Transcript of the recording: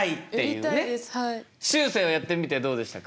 しゅうせいはやってみてどうでしたか？